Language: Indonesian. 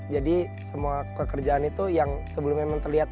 jadi semua pekerjaan itu yang sebelumnya memang terlihat